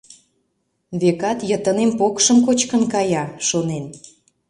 — Векат, йытынем покшым кочкын кая, — шонен.